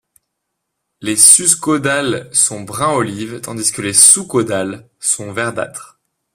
Les sus-caudales sont brun-olive tandis que les sous-caudales sont verdâtres.